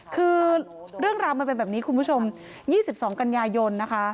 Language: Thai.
คือเรื่องราวมันเป็นแบบนี้คุณผู้ชม๒๒กันยายนนะคะ